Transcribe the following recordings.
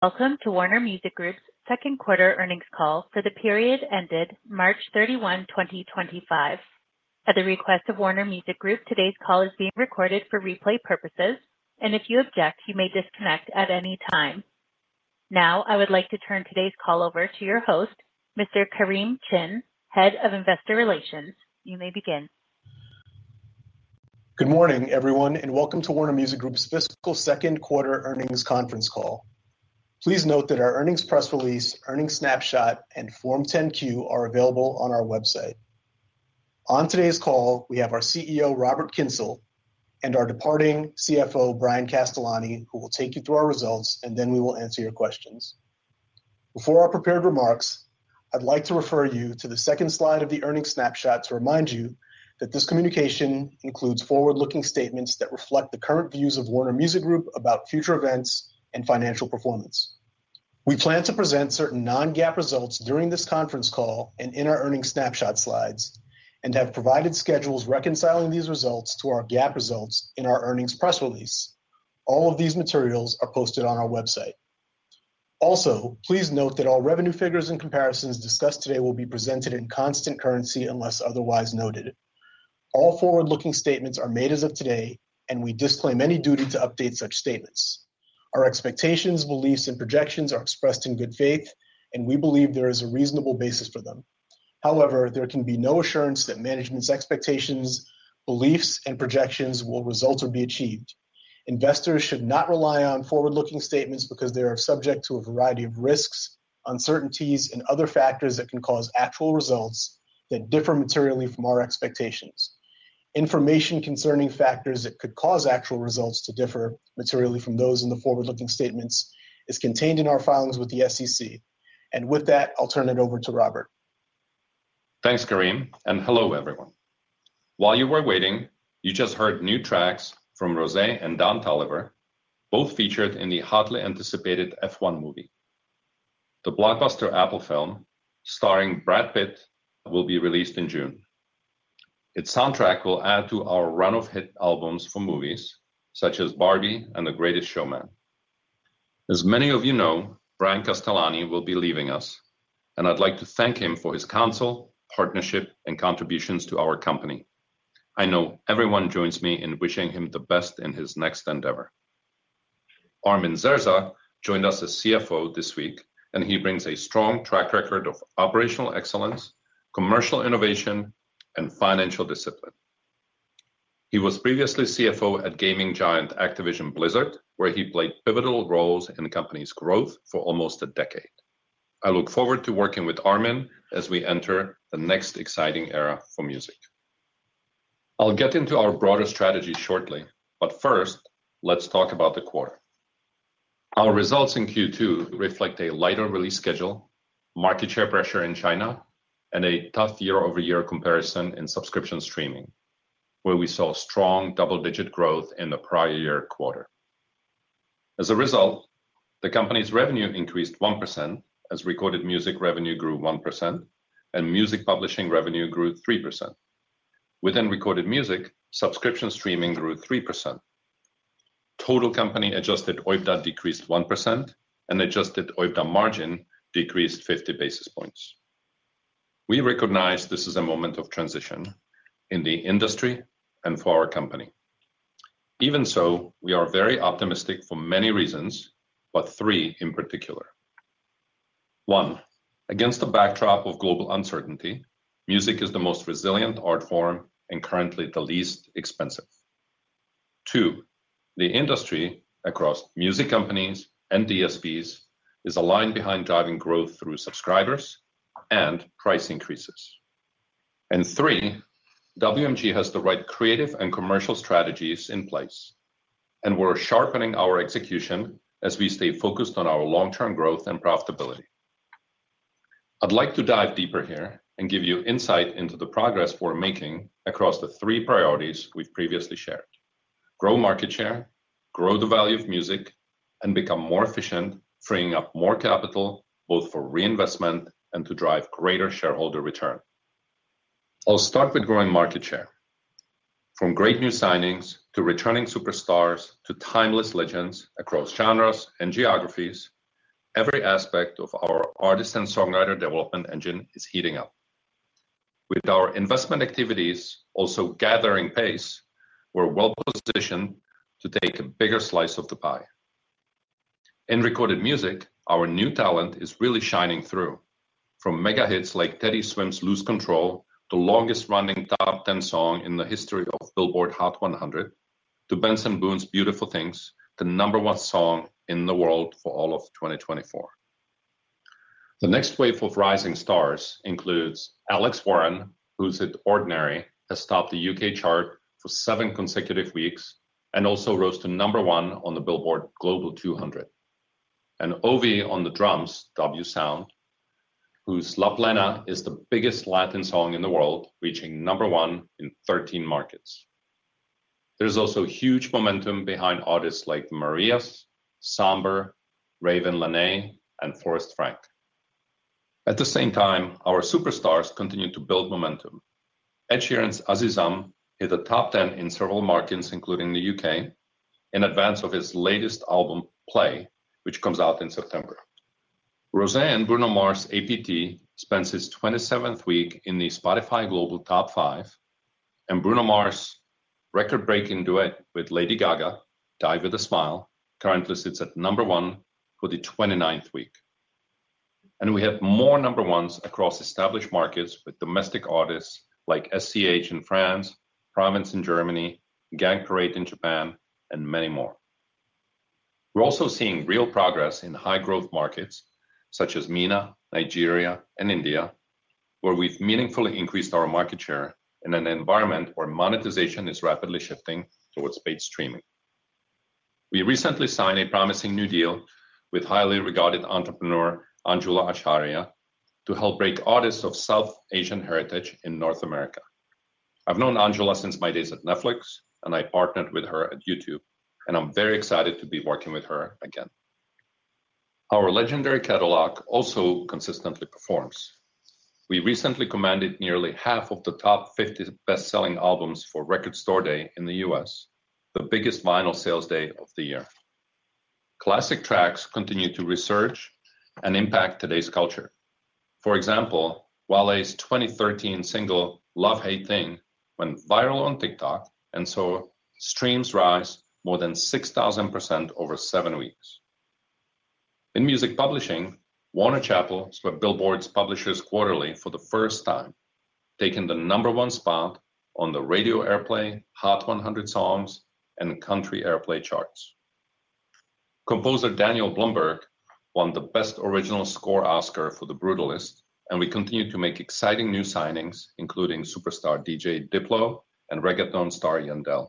Welcome to Warner Music Group's second quarter earnings call for the period ended March 31st, 2025. At the request of Warner Music Group, today's call is being recorded for replay purposes, and if you object, you may disconnect at any time. Now, I would like to turn today's call over to your host, Mr. Kareem Chin, Head of Investor Relations. You may begin. Good morning, everyone, and welcome to Warner Music Group's fiscal second quarter earnings conference call. Please note that our earnings press release, earnings snapshot, and Form 10-Q are available on our website. On today's call, we have our CEO, Robert Kyncl, and our departing CFO, Bryan Castellani, who will take you through our results, and then we will answer your questions. Before our prepared remarks, I'd like to refer you to the second slide of the earnings snapshot to remind you that this communication includes forward-looking statements that reflect the current views of Warner Music Group about future events and financial performance. We plan to present certain non-GAAP results during this conference call and in our earnings snapshot slides and have provided schedules reconciling these results to our GAAP results in our earnings press release. All of these materials are posted on our website. Also, please note that all revenue figures and comparisons discussed today will be presented in constant currency unless otherwise noted. All forward-looking statements are made as of today, and we disclaim any duty to update such statements. Our expectations, beliefs, and projections are expressed in good faith, and we believe there is a reasonable basis for them. However, there can be no assurance that management's expectations, beliefs, and projections will result or be achieved. Investors should not rely on forward-looking statements because they are subject to a variety of risks, uncertainties, and other factors that can cause actual results that differ materially from our expectations. Information concerning factors that could cause actual results to differ materially from those in the forward-looking statements is contained in our filings with the SEC. With that, I'll turn it over to Robert. Thanks, Kareem, and hello, everyone. While you were waiting, you just heard new tracks from Rosé and Don Toliver, both featured in the hotly anticipated F1 movie. The blockbuster Apple film starring Brad Pitt will be released in June. Its soundtrack will add to our run of hit albums for movies such as Barbie and The Greatest Showman. As many of you know, Bryan Castellani will be leaving us, and I'd like to thank him for his counsel, partnership, and contributions to our company. I know everyone joins me in wishing him the best in his next endeavor. Armin Zerza joined us as CFO this week, and he brings a strong track record of operational excellence, commercial innovation, and financial discipline. He was previously CFO at gaming giant Activision Blizzard, where he played pivotal roles in the company's growth for almost a decade. I look forward to working with Armin as we enter the next exciting era for music. I'll get into our broader strategy shortly, but first, let's talk about the quarter. Our results in Q2 reflect a lighter release schedule, market share pressure in China, and a tough year-over-year comparison in subscription streaming, where we saw strong double-digit growth in the prior year quarter. As a result, the company's revenue increased 1% as recorded music revenue grew 1% and music publishing revenue grew 3%. Within recorded music, subscription streaming grew 3%. Total company-Adjusted OIBDA decreased 1% and Adjusted OIBDA margin decreased 50 basis points. We recognize this is a moment of transition in the industry and for our company. Even so, we are very optimistic for many reasons, but three in particular. One, against the backdrop of global uncertainty, music is the most resilient art form and currently the least expensive. Two, the industry across music companies and DSPs is aligned behind driving growth through subscribers and price increases. And three, WMG has the right creative and commercial strategies in place and we're sharpening our execution as we stay focused on our long-term growth and profitability. I'd like to dive deeper here and give you insight into the progress we're making across the three priorities we've previously shared: grow market share, grow the value of music, and become more efficient, freeing up more capital both for reinvestment and to drive greater shareholder return. I'll start with growing market share. From great new signings to returning superstars to timeless legends across genres and geographies, every aspect of our artist and songwriter development engine is heating up. With our investment activities also gathering pace, we're well positioned to take a bigger slice of the pie. In recorded music, our new talent is really shining through. From mega hits like Teddy Swims's "Lose Control," the longest-running top 10 song in the history of Billboard Hot 100, to Benson Boone's "Beautiful Things," the number one song in the world for all of 2024. The next wave of rising stars includes Alex Warren, whose hit "Ordinary" has topped the U.K. chart for seven consecutive weeks and also rose to number one on the Billboard Global 200, and Ovy On The Drums, W Sound, whose "La Plena" is the biggest Latin song in the world, reaching number one in 13 markets. There's also huge momentum behind artists like The Marías, Sam Barber, Ravyn Lenae, and Forrest Frank. At the same time, our superstars continue to build momentum. Ed Sheeran's "Azizam" hit the top 10 in several markets, including the U.K., in advance of his latest album, "Play," which comes out in September. Rosé and Bruno Mars' "APT." spends his 27th week in the Spotify Global Top 5, and Bruno Mars' record-breaking duet with Lady Gaga, "Die With a Smile," currently sits at number one for the 29th week. We have more number ones across established markets with domestic artists like SCH in France, Provinz in Germany, Gang Parade in Japan, and many more. We're also seeing real progress in high-growth markets such as MENA, Nigeria, and India, where we've meaningfully increased our market share in an environment where monetization is rapidly shifting towards paid streaming. We recently signed a promising new deal with highly regarded entrepreneur Anjula Acharya to help break artists of South Asian heritage in North America. I've known Anjula since my days at Netflix, and I partnered with her at YouTube, and I'm very excited to be working with her again. Our legendary catalog also consistently performs. We recently commanded nearly half of the top 50 best-selling albums for Record Store Day in the U.S., the biggest vinyl sales day of the year. Classic tracks continue to resurge and impact today's culture. For example, Wale's 2013 single "LoveHate Thing" went viral on TikTok, and so streams rise more than 6,000% over seven weeks. In music publishing, Warner Chappell topped Billboard's Publishers Quarterly for the first time, taking the number one spot on the Radio Airplay Hot 100 songs and Country Airplay charts. Composer Daniel Blumberg won the Best Original Score Oscar for "The Brutalist," and we continue to make exciting new signings, including superstar DJ Diplo and reggaeton star Yandel.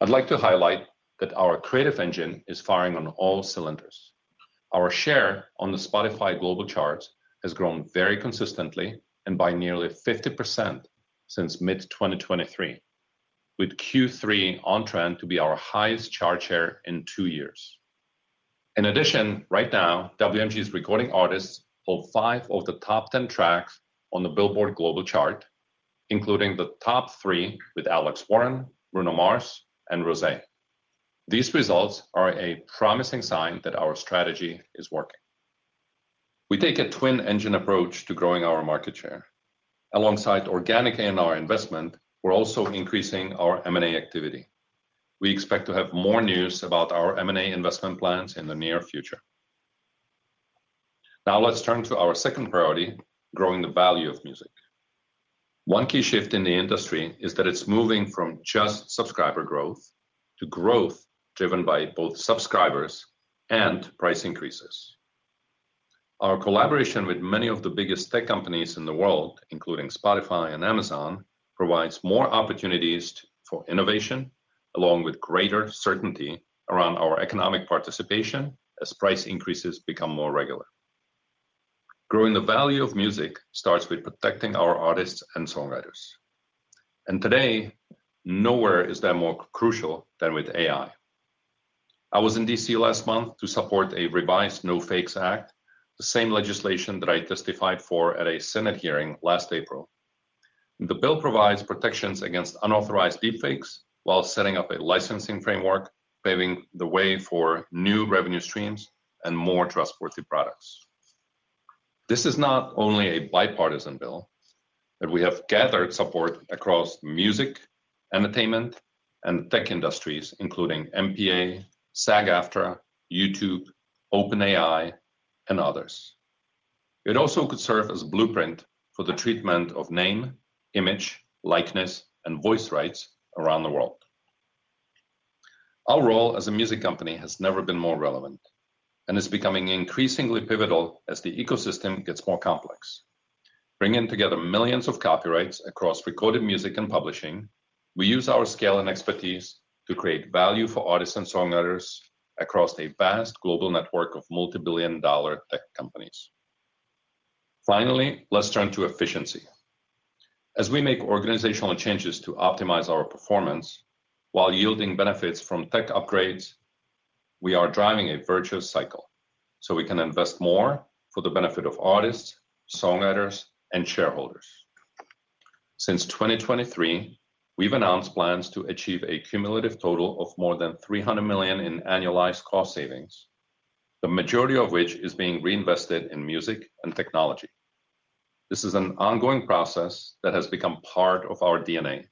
I'd like to highlight that our creative engine is firing on all cylinders. Our share on the Spotify Global charts has grown very consistently and by nearly 50% since mid-2023, with Q3 on trend to be our highest chart share in two years. In addition, right now, WMG's recording artists hold five of the top 10 tracks on the Billboard Global chart, including the top three with Alex Warren, Bruno Mars, and Rosé. These results are a promising sign that our strategy is working. We take a twin engine approach to growing our market share. Alongside organic A&R investment, we're also increasing our M&A activity. We expect to have more news about our M&A investment plans in the near future. Now let's turn to our second priority, growing the value of music. One key shift in the industry is that it's moving from just subscriber growth to growth driven by both subscribers and price increases. Our collaboration with many of the biggest tech companies in the world, including Spotify and Amazon, provides more opportunities for innovation, along with greater certainty around our economic participation as price increases become more regular. Growing the value of music starts with protecting our artists and songwriters. And today, nowhere is that more crucial than with AI. I was in D.C. last month to support a revised No Fakes Act, the same legislation that I testified for at a Senate hearing last April. The bill provides protections against unauthorized deepfakes while setting up a licensing framework, paving the way for new revenue streams and more trustworthy products. This is not only a bipartisan bill, but we have gathered support across music, entertainment, and tech industries, including MPA, SAG-AFTRA, YouTube, OpenAI, and others. It also could serve as a blueprint for the treatment of name, image, likeness, and voice rights around the world. Our role as a music company has never been more relevant and is becoming increasingly pivotal as the ecosystem gets more complex. Bringing together millions of copyrights across recorded music and publishing, we use our scale and expertise to create value for artists and songwriters across a vast global network of multi-billion dollar tech companies. Finally, let's turn to efficiency. As we make organizational changes to optimize our performance while yielding benefits from tech upgrades, we are driving a virtuous cycle so we can invest more for the benefit of artists, songwriters, and shareholders. Since 2023, we've announced plans to achieve a cumulative total of more than $300 million in annualized cost savings, the majority of which is being reinvested in music and technology. This is an ongoing process that has become part of our DNA,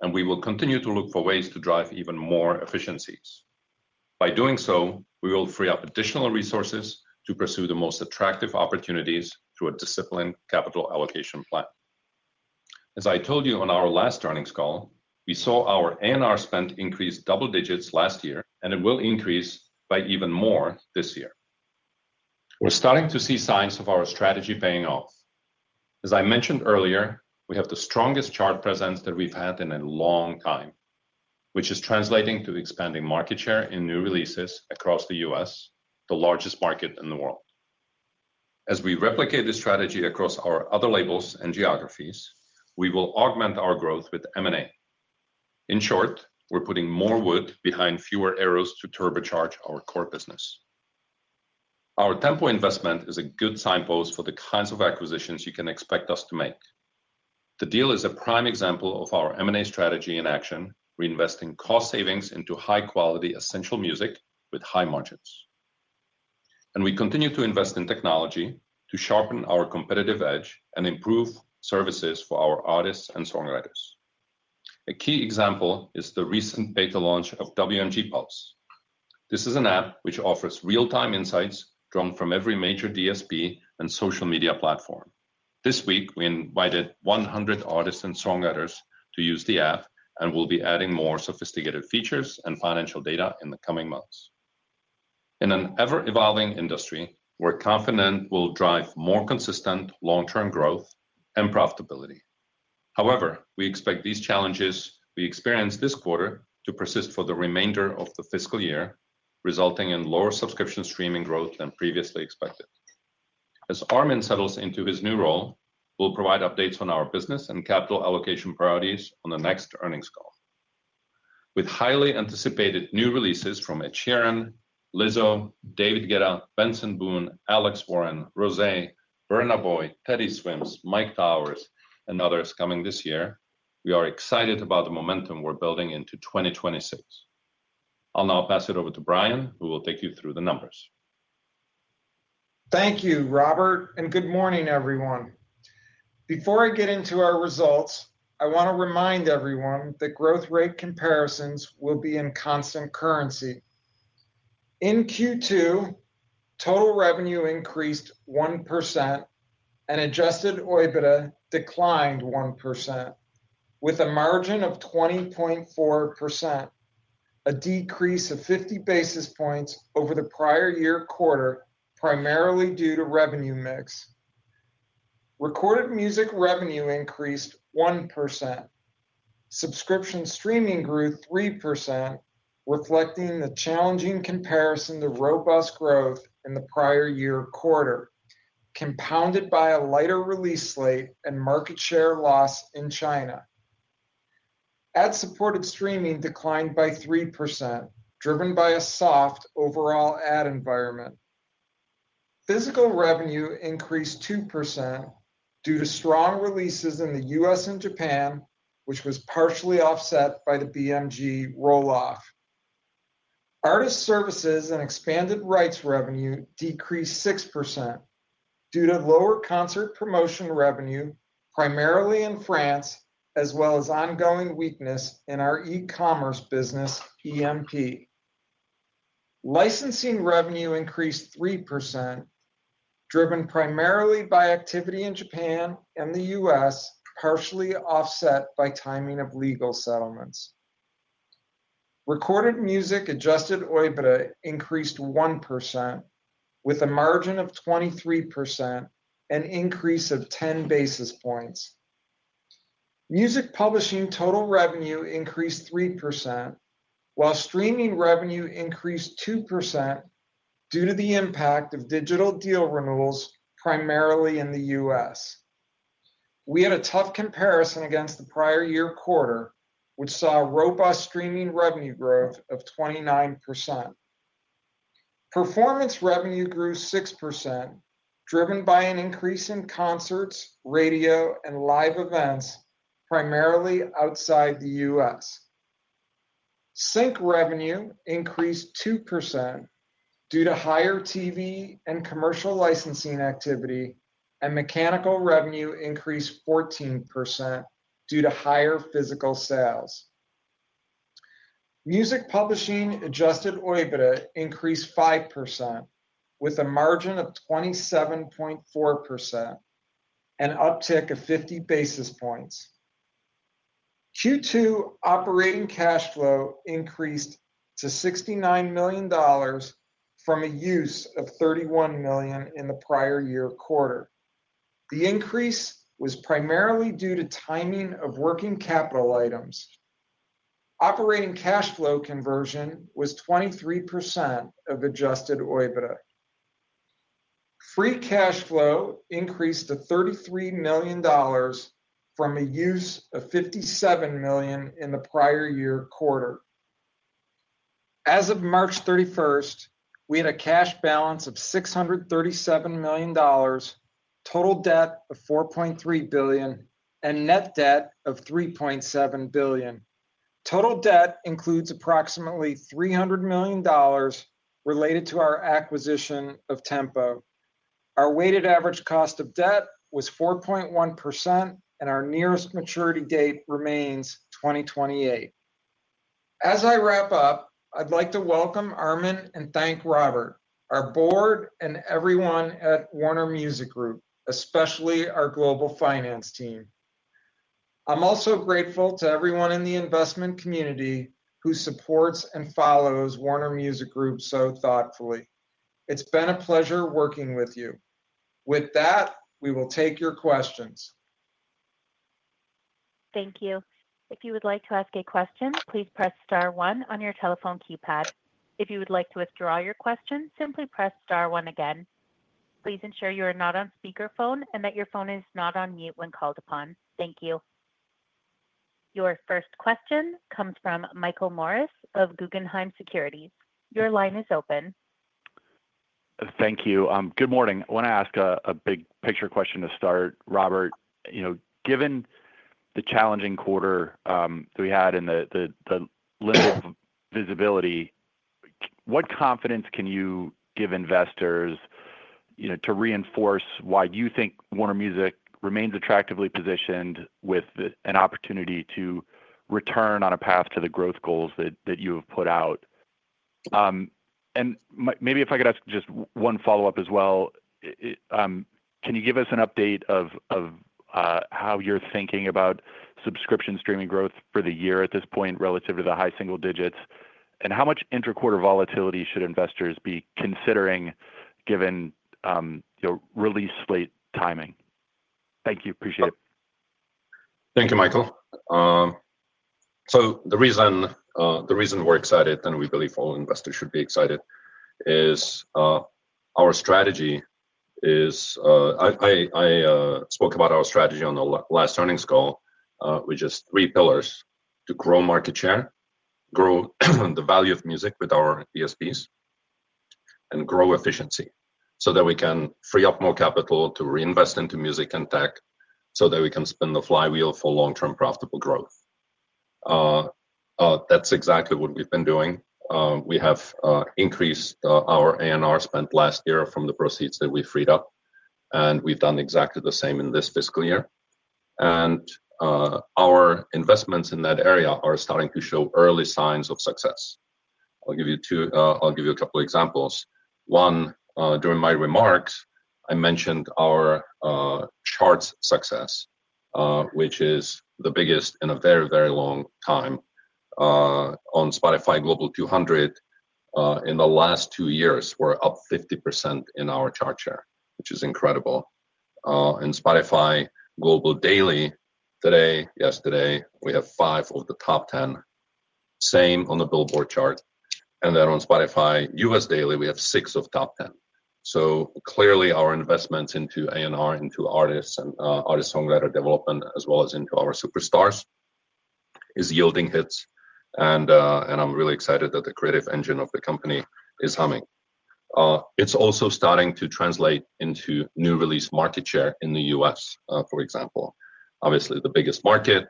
and we will continue to look for ways to drive even more efficiencies. By doing so, we will free up additional resources to pursue the most attractive opportunities through a disciplined capital allocation plan. As I told you on our last earnings call, we saw our A&R spend increase double digits last year, and it will increase by even more this year. We're starting to see signs of our strategy paying off. As I mentioned earlier, we have the strongest chart presence that we've had in a long time, which is translating to expanding market share in new releases across the U.S., the largest market in the world. As we replicate this strategy across our other labels and geographies, we will augment our growth with M&A. In short, we're putting more wood behind fewer arrows to turbocharge our core business. Our Tempo investment is a good signpost for the kinds of acquisitions you can expect us to make. The deal is a prime example of our M&A strategy in action, reinvesting cost savings into high-quality essential music with high margins. And we continue to invest in technology to sharpen our competitive edge and improve services for our artists and songwriters. A key example is the recent beta launch of WMG Pulse. This is an app which offers real-time insights drawn from every major DSP and social media platform. This week, we invited 100 artists and songwriters to use the app, and we'll be adding more sophisticated features and financial data in the coming months. In an ever-evolving industry, we're confident we'll drive more consistent long-term growth and profitability. However, we expect these challenges we experienced this quarter to persist for the remainder of the fiscal year, resulting in lower subscription streaming growth than previously expected. As Armin settles into his new role, we'll provide updates on our business and capital allocation priorities on the next earnings call. With highly anticipated new releases from Ed Sheeran, Lizzo, David Guetta, Benson Boone, Alex Warren, Rosé, Burna Boy, Teddy Swims, Myke Towers, and others coming this year, we are excited about the momentum we're building into 2026. I'll now pass it over to Bryan, who will take you through the numbers. Thank you, Robert, and good morning, everyone. Before I get into our results, I want to remind everyone that growth rate comparisons will be in constant currency. In Q2, total revenue increased 1% and Adjusted OIBDA declined 1% with a margin of 20.4%, a decrease of 50 basis points over the prior year quarter, primarily due to revenue mix. Recorded music revenue increased 1%. Subscription streaming grew 3%, reflecting the challenging comparison to robust growth in the prior year quarter, compounded by a lighter release slate and market share loss in China. Ad-supported streaming declined by 3%, driven by a soft overall ad environment. Physical revenue increased 2% due to strong releases in the U.S. and Japan, which was partially offset by the BMG roll-off. Artist services and expanded rights revenue decreased 6% due to lower concert promotion revenue, primarily in France, as well as ongoing weakness in our e-commerce business, EMP. Licensing revenue increased 3%, driven primarily by activity in Japan and the U.S., partially offset by timing of legal settlements. Recorded music Adjusted OIBDA increased 1% with a margin of 23%, an increase of 10 basis points. Music publishing total revenue increased 3%, while streaming revenue increased 2% due to the impact of digital deal renewals, primarily in the U.S. We had a tough comparison against the prior year quarter, which saw robust streaming revenue growth of 29%. Performance revenue grew 6%, driven by an increase in concerts, radio, and live events, primarily outside the U.S. Sync revenue increased 2% due to higher TV and commercial licensing activity, and mechanical revenue increased 14% due to higher physical sales. Music publishing Adjusted OIBDA increased 5% with a margin of 27.4%, an uptick of 50 basis points. Q2 operating cash flow increased to $69 million from a use of $31 million in the prior year quarter. The increase was primarily due to timing of working capital items. Operating cash flow conversion was 23% of Adjusted EBITDA. Free cash flow increased to $33 million from a use of $57 million in the prior year quarter. As of March 31st, we had a cash balance of $637 million, total debt of $4.3 billion, and net debt of $3.7 billion. Total debt includes approximately $300 million related to our acquisition of Tempo. Our weighted average cost of debt was 4.1%, and our nearest maturity date remains 2028. As I wrap up, I'd like to welcome Armin and thank Robert, our board, and everyone at Warner Music Group, especially our global finance team. I'm also grateful to everyone in the investment community who supports and follows Warner Music Group so thoughtfully. It's been a pleasure working with you. With that, we will take your questions. Thank you. If you would like to ask a question, please press star one on your telephone keypad. If you would like to withdraw your question, simply press star one again. Please ensure you are not on speakerphone and that your phone is not on mute when called upon. Thank you. Your first question comes from Michael Morris of Guggenheim Securities. Your line is open. Thank you. Good morning. I want to ask a big picture question to start, Robert. Given the challenging quarter that we had and the limited visibility, what confidence can you give investors to reinforce why you think Warner Music remains attractively positioned with an opportunity to return on a path to the growth goals that you have put out? And maybe if I could ask just one follow-up as well, can you give us an update of how you're thinking about subscription streaming growth for the year at this point relative to the high single digits, and how much intra-quarter volatility should investors be considering given release slate timing? Thank you. Appreciate it. Thank you, Michael. So the reason we're excited, and we believe all investors should be excited, is our strategy is I spoke about our strategy on the last earnings call, which is three pillars: to grow market share, grow the value of music with our DSPs, and grow efficiency so that we can free up more capital to reinvest into music and tech so that we can spin the flywheel for long-term profitable growth. That's exactly what we've been doing. We have increased our A&R spend last year from the proceeds that we freed up, and we've done exactly the same in this fiscal year, and our investments in that area are starting to show early signs of success. I'll give you a couple of examples. One, during my remarks, I mentioned our charts success, which is the biggest in a very, very long time. On Spotify Global 200, in the last two years, we're up 50% in our chart share, which is incredible. In Spotify Global Daily, today, yesterday, we have five of the top 10. Same on the Billboard chart, and then on Spotify U.S. Daily, we have six of top 10. So clearly, our investments into A&R, into artists, and artist-songwriter development, as well as into our superstars, is yielding hits, and I'm really excited that the creative engine of the company is humming. It's also starting to translate into new release market share in the U.S., for example. Obviously, the biggest market,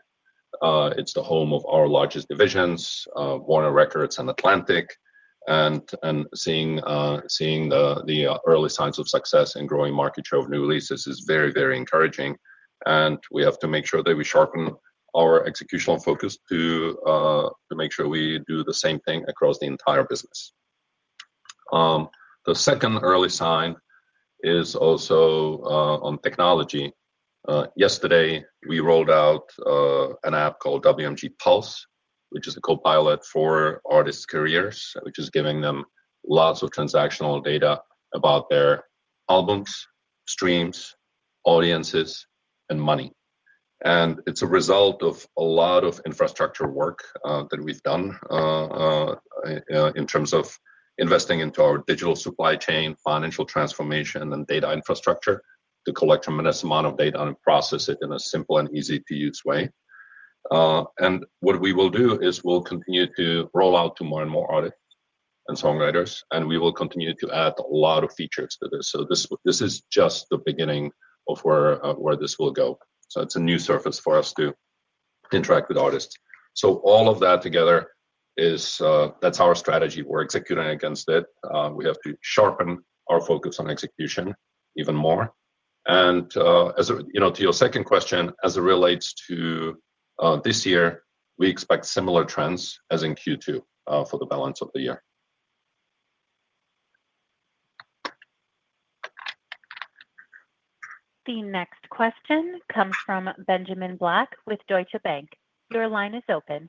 it's the home of our largest divisions, Warner Records and Atlantic, and seeing the early signs of success and growing market share of new releases is very, very encouraging, and we have to make sure that we sharpen our executional focus to make sure we do the same thing across the entire business. The second early sign is also on technology. Yesterday, we rolled out an app called WMG Pulse, which is a copilot for artists' careers, which is giving them lots of transactional data about their albums, streams, audiences, and money. And it's a result of a lot of infrastructure work that we've done in terms of investing into our digital supply chain, financial transformation, and data infrastructure to collect a mass amount of data and process it in a simple and easy-to-use way. And what we will do is we'll continue to roll out to more and more artists and songwriters, and we will continue to add a lot of features to this. So this is just the beginning of where this will go. So it's a new service for us to interact with artists. So all of that together, that's our strategy. We're executing against it. We have to sharpen our focus on execution even more. And to your second question, as it relates to this year, we expect similar trends as in Q2 for the balance of the year. The next question comes from Benjamin Black with Deutsche Bank. Your line is open.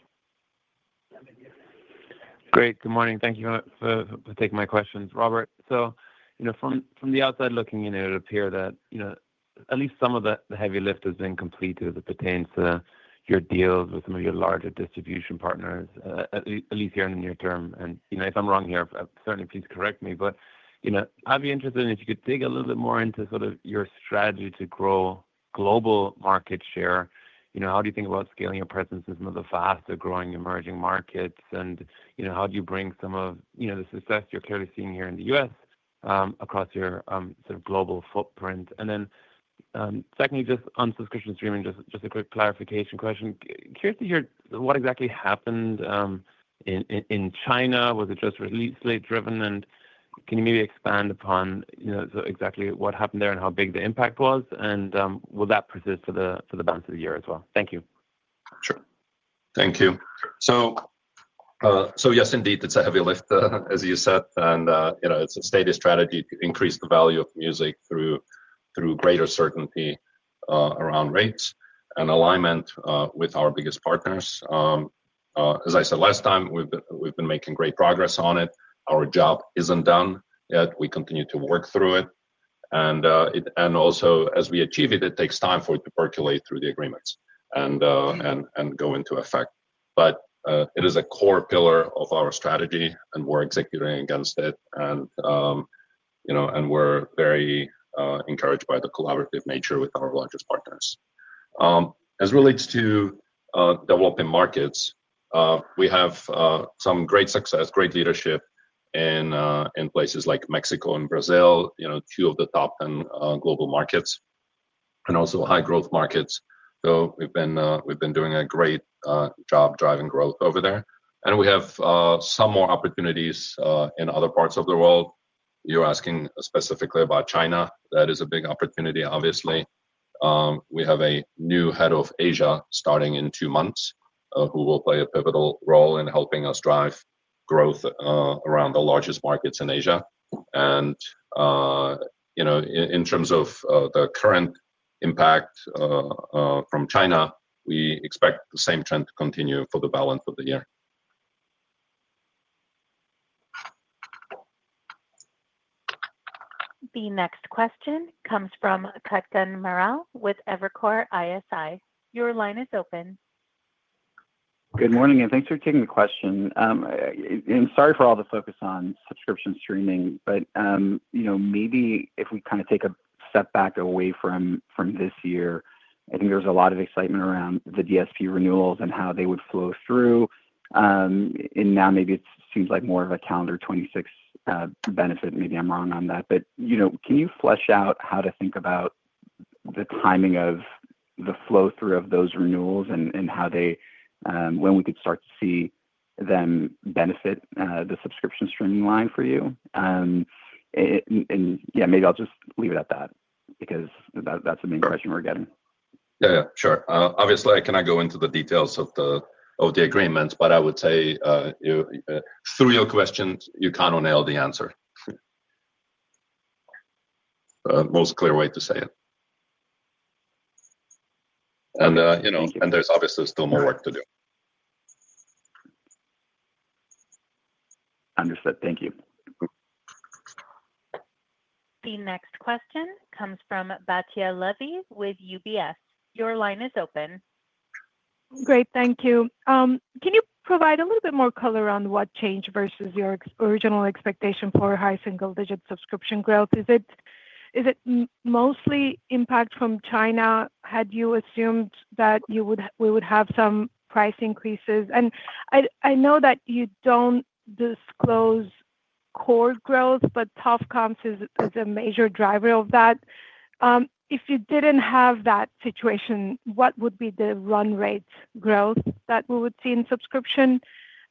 Great. Good morning. Thank you for taking my questions, Robert. So from the outside looking, it would appear that at least some of the heavy lift has been completed as it pertains to your deals with some of your larger distribution partners, at least here in the near term. And if I'm wrong here, certainly please correct me. But I'd be interested in if you could dig a little bit more into sort of your strategy to grow global market share. How do you think about scaling your presence in some of the faster-growing emerging markets? And how do you bring some of the success you're clearly seeing here in the US across your sort of global footprint? And then secondly, just on subscription streaming, just a quick clarification question. Curious to hear what exactly happened in China. Was it just release slate driven? And can you maybe expand upon exactly what happened there and how big the impact was? And will that persist for the balance of the year as well? Thank you. Sure. Thank you. So yes, indeed, it's a heavy lift, as you said. And it's a stated strategy to increase the value of music through greater certainty around rates and alignment with our biggest partners. As I said last time, we've been making great progress on it. Our job isn't done yet. We continue to work through it. And also, as we achieve it, it takes time for it to percolate through the agreements and go into effect. But it is a core pillar of our strategy, and we're executing against it. And we're very encouraged by the collaborative nature with our largest partners. As it relates to developing markets, we have some great success, great leadership in places like Mexico and Brazil, two of the top 10 global markets, and also high-growth markets. So we've been doing a great job driving growth over there. And we have some more opportunities in other parts of the world. You're asking specifically about China. That is a big opportunity, obviously. We have a new head of Asia starting in two months who will play a pivotal role in helping us drive growth around the largest markets in Asia. And in terms of the current impact from China, we expect the same trend to continue for the balance of the year. The next question comes from Kutgun Maral with Evercore ISI. Your line is open. Good morning. And thanks for taking the question. Sorry for all the focus on subscription streaming, but maybe if we kind of take a step back away from this year, I think there was a lot of excitement around the DSP renewals and how they would flow through. Now maybe it seems like more of a calendar 2026 benefit. Maybe I'm wrong on that. But can you flesh out how to think about the timing of the flow-through of those renewals and when we could start to see them benefit the subscription streaming line for you? Yeah, maybe I'll just leave it at that because that's the main question we're getting. Yeah, yeah. Sure. Obviously, I cannot go into the details of the agreements, but I would say through your questions, you kind of nailed the answer, the most clear way to say it. There's obviously still more work to do. Understood. Thank you. The next question comes from Batya Levi with UBS. Your line is open. Great. Thank you. Can you provide a little bit more color on what changed versus your original expectation for high single-digit subscription growth? Is it mostly impact from China? Had you assumed that we would have some price increases? And I know that you don't disclose core growth, but Tough Comes is a major driver of that. If you didn't have that situation, what would be the run rate growth that we would see in subscription?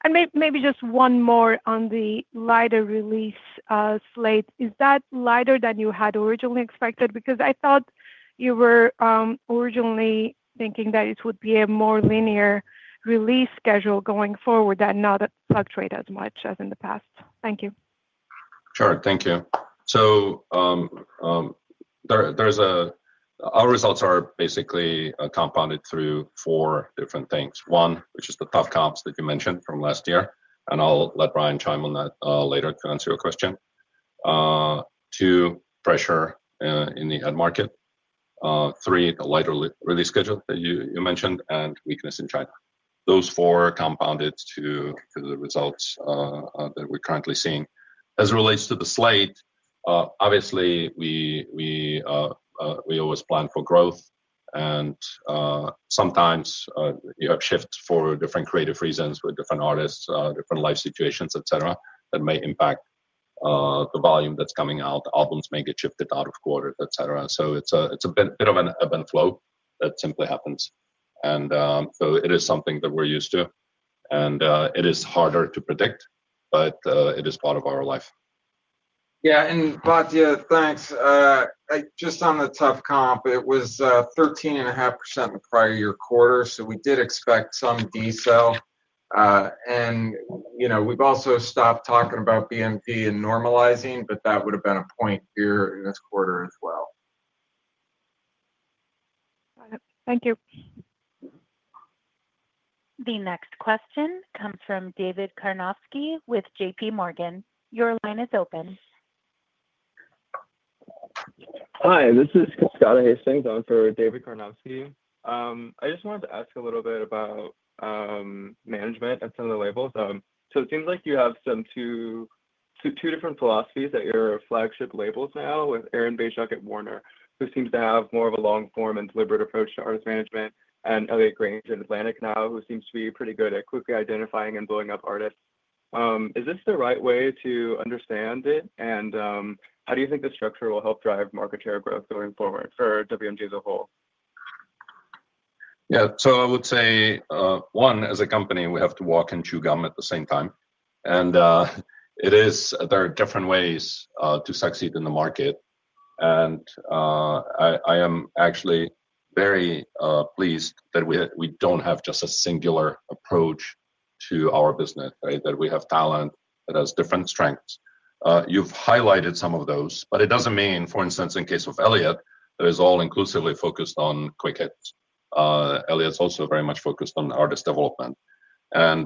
And maybe just one more on the lighter release slate. Is that lighter than you had originally expected? Because I thought you were originally thinking that it would be a more linear release schedule going forward that not fluctuate as much as in the past. Thank you. Sure. Thank you. So our results are basically compounded through four different things. One, which is the tough comps that you mentioned from last year. And I'll let Bryan chime in on that later to answer your question. Two, pressure in the end market. Three, the lighter release schedule that you mentioned, and weakness in China. Those four compounded to the results that we're currently seeing. As it relates to the slate, obviously, we always plan for growth. And sometimes you have shifts for different creative reasons with different artists, different life situations, etc., that may impact the volume that's coming out. Albums may get shifted out of quarter, etc. So it's a bit of an ebb and flow that simply happens. And so it is something that we're used to. And it is harder to predict, but it is part of our life. Yeah. And Batya, thanks. Just on the tough comp, it was 13.5% in the prior year quarter. So we did expect some decel. And we've also stopped talking about BNP and normalizing, but that would have been a point here in this quarter as well. Got it. Thank you. The next question comes from David Karnovsky with JPMorgan. Your line is open. Hi. This is Kiscada Hastings on for David Karnovsky. I just wanted to ask a little bit about management at some of the labels. So it seems like you have two different philosophies at your flagship labels now with Aaron Bay-Schuck at Warner, who seems to have more of a long-form and deliberate approach to artist management, and Elliot Grainge at Atlantic now, who seems to be pretty good at quickly identifying and blowing up artists. Is this the right way to understand it? And how do you think the structure will help drive market share growth going forward for WMG as a whole? Yeah. So I would say, one, as a company, we have to walk and chew gum at the same time. And there are different ways to succeed in the market. And I am actually very pleased that we don't have just a singular approach to our business, right? That we have talent that has different strengths. You've highlighted some of those, but it doesn't mean, for instance, in case of Elliot, that it's all inclusively focused on quick hits. Elliot's also very much focused on artist development. And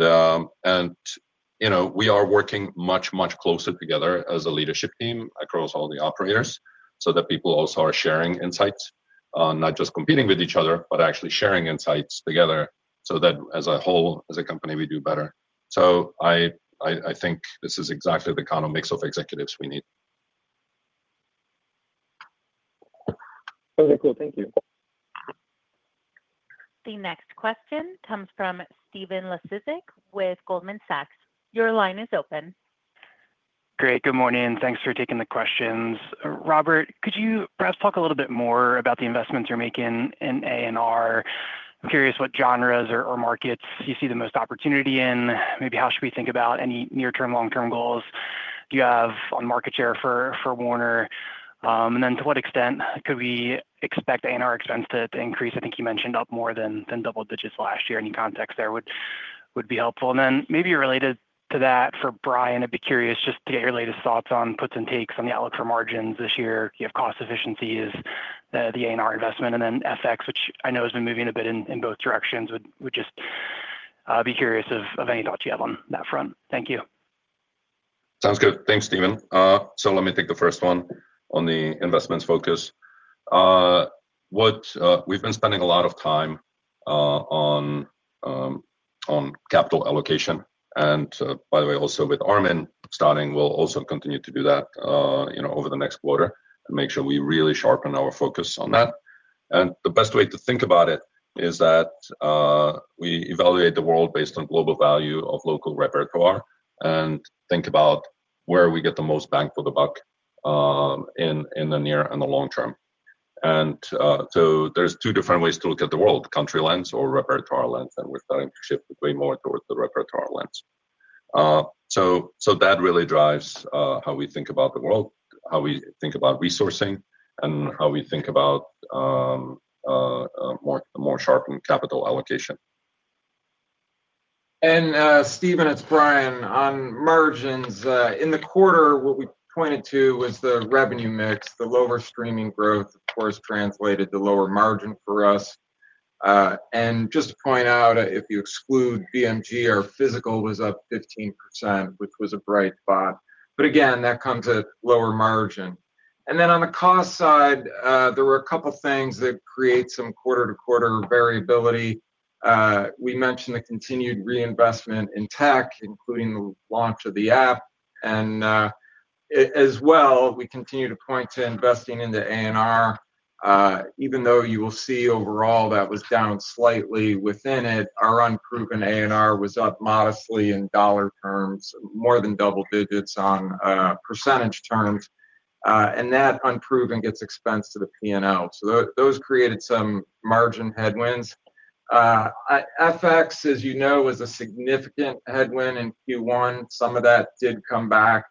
we are working much, much closer together as a leadership team across all the operators so that people also are sharing insights, not just competing with each other, but actually sharing insights together so that as a whole, as a company, we do better. So I think this is exactly the kind of mix of executives we need. Okay. Cool. Thank you. The next question comes from Stephen Laszczyk with Goldman Sachs. Your line is open. Great. Good morning. Thanks for taking the questions. Robert, could you perhaps talk a little bit more about the investments you're making in A&R? I'm curious what genres or markets you see the most opportunity in. Maybe how should we think about any near-term, long-term goals you have on market share for Warner? And then to what extent could we expect A&R expense to increase? I think you mentioned up more than double digits last year. Any context there would be helpful. And then maybe related to that for Brian, I'd be curious just to get your latest thoughts on puts and takes on the outlook for margins this year. You have cost efficiencies, the A&R investment, and then FX, which I know has been moving a bit in both directions. Would just be curious of any thoughts you have on that front. Thank you. Sounds good. Thanks, Stephen. So let me take the first one on the investment focus. We've been spending a lot of time on capital allocation. And by the way, also with Armin starting, we'll also continue to do that over the next quarter and make sure we really sharpen our focus on that. And the best way to think about it is that we evaluate the world based on global value of local repertoire and think about where we get the most bang for the buck in the near and the long term. And so there's two different ways to look at the world: country lens or repertoire lens. And we're starting to shift way more towards the repertoire lens. That really drives how we think about the world, how we think about resourcing, and how we think about more sharpened capital allocation. And Stephen, it's Bryan on margins. In the quarter, what we pointed to was the revenue mix. The lower streaming growth, of course, translated to lower margin for us. And just to point out, if you exclude BMG, our physical was up 15%, which was a bright spot. But again, that comes at lower margin. And then on the cost side, there were a couple of things that create some quarter-to-quarter variability. We mentioned the continued reinvestment in tech, including the launch of the app. And as well, we continue to point to investing into A&R. Even though you will see overall that was down slightly within it, our unproven A&R was up modestly in dollar terms, more than double digits on percentage terms. And that unproven gets expensed to the P&L. So those created some margin headwinds. FX, as you know, was a significant headwind in Q1. Some of that did come back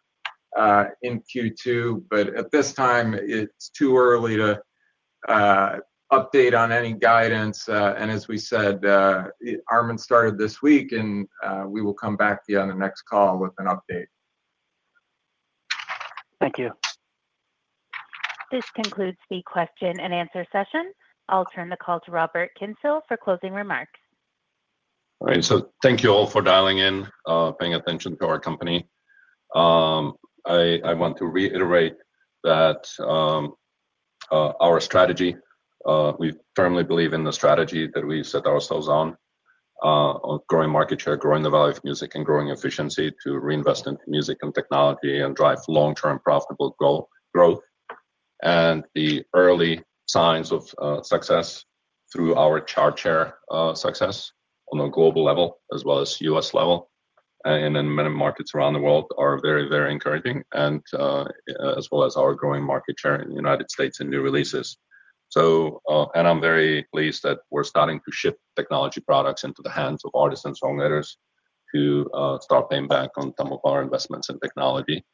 in Q2. But at this time, it's too early to update on any guidance. And as we said, Armin started this week, and we will come back to you on the next call with an update. Thank you. This concludes the question-and-answer session. I'll turn the call to Robert Kyncl for closing remarks. All right. So thank you all for dialing in, paying attention to our company. I want to reiterate that our strategy. We firmly believe in the strategy that we set ourselves on of growing market share, growing the value of music, and growing efficiency to reinvest in music and technology and drive long-term profitable growth. And the early signs of success through our chart share success on a global level, as well as U.S. level, and in many markets around the world, are very, very encouraging, as well as our growing market share in the United States and new releases. And I'm very pleased that we're starting to shift technology products into the hands of artists and songwriters to start paying back on some of our investments in technology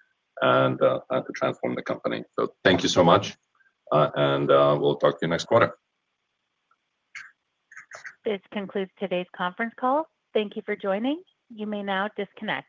and to transform the company. So thank you so much. And we'll talk to you next quarter. This concludes today's conference call. Thank you for joining. You may now disconnect.